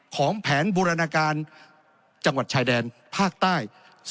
ของแผนบูรณาการจังหวัดชายแดนภาคใต้